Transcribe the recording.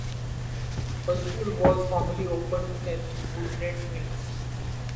A school was formerly opened in Woodland Mills.